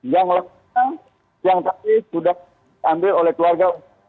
yang lelaki yang tadi sudah diambil oleh keluarga umumnya